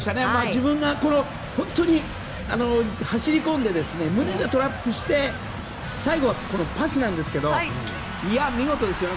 自分で走り込んで胸でトラップして最後はパスなんですけど見事ですよ。